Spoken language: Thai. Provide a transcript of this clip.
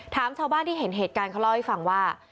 ชาวบ้านที่เห็นเหตุการณ์เขาเล่าให้ฟังว่า